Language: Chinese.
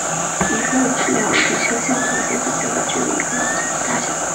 一个质量与地球相同先子星的只有一颗网球大小。